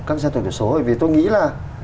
các gia tộc tiểu xố vì tôi nghĩ là